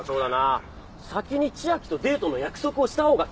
先に千秋とデートの約束をしたほうが勝ちとか。